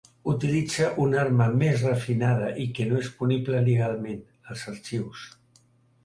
Utilitza una arma més refinada i que no és punible legalment: els arxius.